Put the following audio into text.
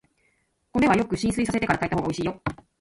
米はよく浸水させてから炊いたほうがおいしいよ。